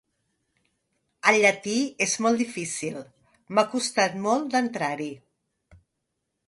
El llatí és molt difícil: m'ha costat molt d'entrar-hi.